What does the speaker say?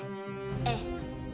ええ。